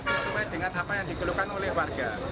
sesuai dengan apa yang dikeluhkan oleh warga